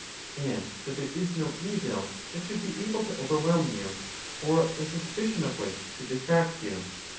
and that there is no evil that should be able to overwhelm you, or the suspicion of which should distract you?